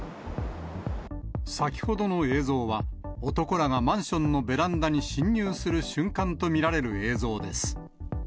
先ほどの映像は、男らがマンションのベランダに侵入する瞬間と見られる映像です。